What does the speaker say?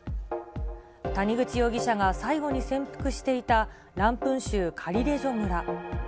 谷口容疑者が最後に潜伏していたランプン州カリレジョ村。